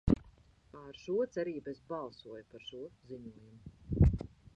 Ar šo cerību es balsoju par šo ziņojumu.